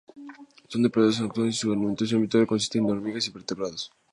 Son depredadoras nocturnas, y su alimento habitual consiste en hormigas y vertebrados pequeños.